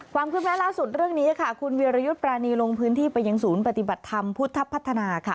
ความคืบหน้าล่าสุดเรื่องนี้ค่ะคุณวิรยุทธ์ปรานีลงพื้นที่ไปยังศูนย์ปฏิบัติธรรมพุทธพัฒนาค่ะ